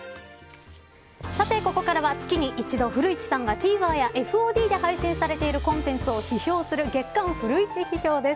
さてここからは月に一度古市さんがＴＶｅｒやＦＯＤで配信されているコンテンツを批評する月刊フルイチ批評です。